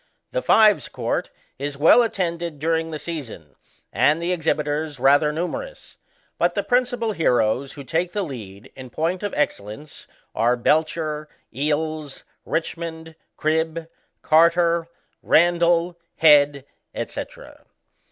The Fives Court is well attended during the season, and the exhibitors rather numerous; but the princi pal heroes who take the lead, in point of excellence, are Belcher, Eales, Richmond, Cribb, Carter, Ran Digitized by VjOOQIC 16 BOXIANA ; OR, dall. Head, &c.